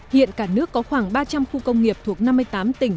hiện cả nước có khoảng ba trăm linh khu công nghiệp thuộc năm mươi tám tỉnh